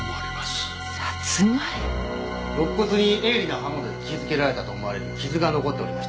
肋骨に鋭利な刃物で切りつけられたと思われる傷が残っておりました。